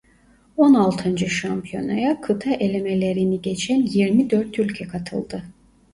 On altıncı şampiyonaya kıta elemelerini geçen yirmi dört ülke katıldı.